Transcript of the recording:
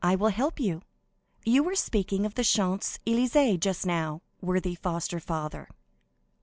"I will help you. You were speaking of the Champs Élysées just now, worthy foster father."